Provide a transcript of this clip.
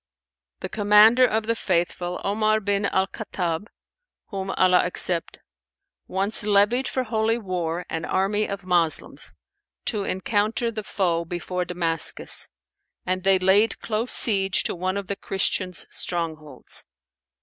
The Commander of the Faithful, Omar bin al Khattαb (whom Allah accept!), once levied for holy war an army of Moslems, to encounter the foe before Damascus, and they laid close siege to one of the Christians' strongholds.